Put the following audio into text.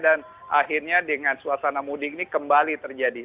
dan akhirnya dengan suasana mudik ini kembali terjadi